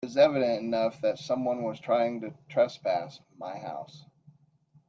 It is evident enough that someone was trying to trespass my house.